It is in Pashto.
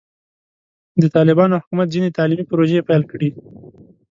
د طالبانو حکومت ځینې تعلیمي پروژې پیل کړي.